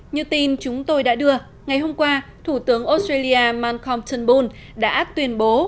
như tin chúng tôi đã đưa ngày hôm qua thủ tướng australia malcolm turnbull đã áp tuyên bố